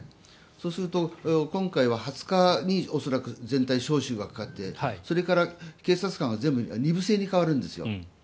そうすると、今回は２０日に恐らく全体招集がかかってそれから警察官が全部２部制に変わるんですよ。